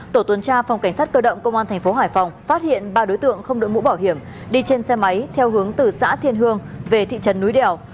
tổ tuần tra phòng cảnh sát cơ động công an thành phố hải phòng phát hiện ba đối tượng không đội mũ bảo hiểm đi trên xe máy theo hướng từ xã thiên hương về thị trấn núi đèo